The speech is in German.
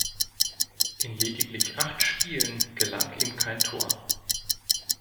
In lediglich acht Spielen gelang ihm kein Tor.